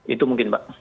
itu mungkin mbak